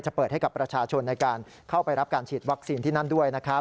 เปิดให้กับประชาชนในการเข้าไปรับการฉีดวัคซีนที่นั่นด้วยนะครับ